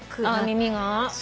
耳が？